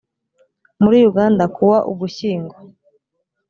muri uganda ku wa ugushyingo